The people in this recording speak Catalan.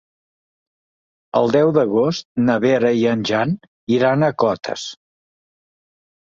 El deu d'agost na Vera i en Jan iran a Cotes.